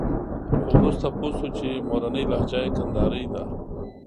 خو وروسته پوه شو چې مورنۍ لهجه یې کندارۍ ده.